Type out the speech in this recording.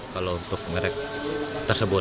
kalau untuk merek tersebut